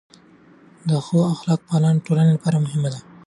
د ښو اخلاقو پالنه د ټولنې لپاره مهمه ده.